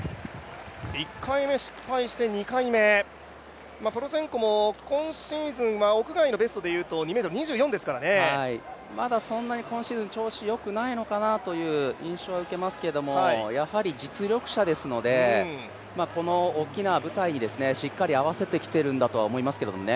１回目失敗して２回目、プロツェンコも今シーズンは屋外のベストでいうとまだ今シーズン、そんなに調子良くないのかなという印象は受けますけどもやはり実力者ですので、この大きな舞台にしっかり合わせてきてるんだとは思いますけどね。